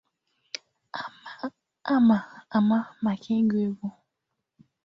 a ma ama maka ịgụ egwu